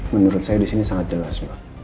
menurut saya disini sangat jelas